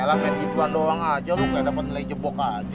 elah main gituan doang aja lu gak dapat nilai jebok aja